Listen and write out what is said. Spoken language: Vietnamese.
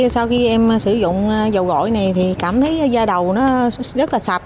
sau khi em sử dụng dầu gội này thì cảm thấy da đầu nó rất là sạch